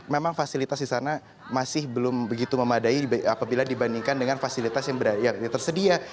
memang fasilitas di sana masih belum begitu memadai apabila dibandingkan dengan fasilitas yang tersedia